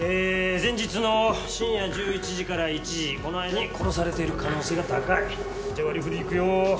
前日の深夜１１時から１時この間に殺されている可能性が高いじゃ割りふりいくよ